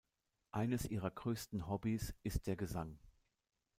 Eines ihrer größten Hobbys ist der Gesang.